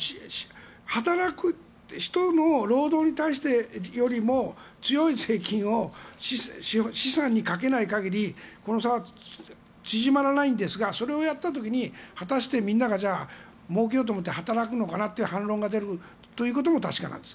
働く人の労働に対してよりも強い税金を資産にかけない限りこの差は縮まらないんですがそれをやった時に果たしてみんながもうけようと思って働くのかなという反論が出るということも確かなんです。